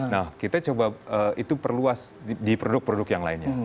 nah kita coba itu perluas di produk produk yang lainnya